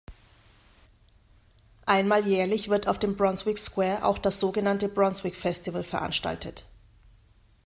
Einmal jährlich wird auf dem Brunswick Square auch das so genannte Brunswick Festival veranstaltet.